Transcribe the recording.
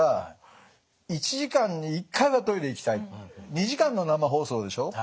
２時間の生放送でしょ。